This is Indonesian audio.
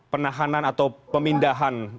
penahanan atau pemindahan